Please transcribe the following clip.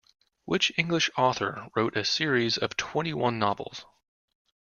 Which English author wrote a series of twenty-one novels?